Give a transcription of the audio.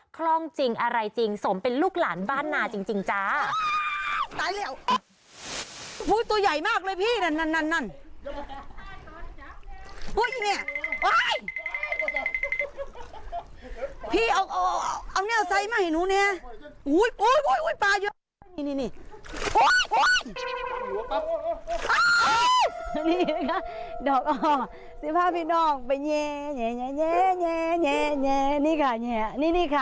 คล่องจริงอะไรจริงสมเป็นลูกหลานบ้านนาจริงจ้า